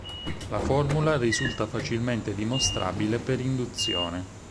La formula risulta facilmente dimostrabile per induzione.